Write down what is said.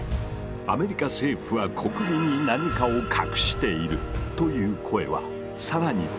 「アメリカ政府は国民に何かを隠している」という声は更に高まっていく。